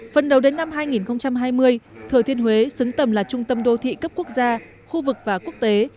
phần đầu đến năm hai nghìn hai mươi thừa thiên huế xứng tầm là trung tâm đô thị cấp quốc gia khu vực và quốc tế